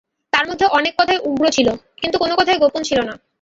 তার মধ্যে অনেক কথাই ঊহ্য ছিল, কিন্তু কোনো কথাই গোপন ছিল না।